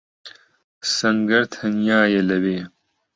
سەنگەر تەنیایە لەوێ.